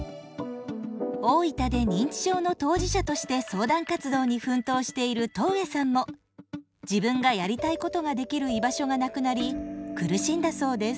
大分で認知症の当事者として相談活動に奮闘している戸上さんも自分がやりたいことができる居場所がなくなり苦しんだそうです。